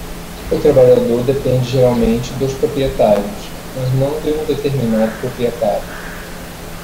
O trabalhador depende geralmente dos proprietários, mas não de um determinado proprietário.